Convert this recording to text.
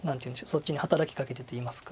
そっちに働きかけてといいますか。